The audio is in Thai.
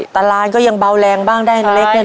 ตารานก็ยังเบาแรงบ้างได้น้องเล็กนี่เนอะ